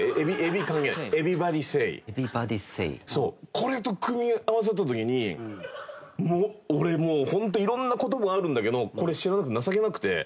これと組み合わせた時にもう俺もうホント色んな言葉あるんだけどこれ知らなくて情けなくて。